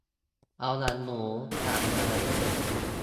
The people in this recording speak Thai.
เอาล่ะหนู ถามมา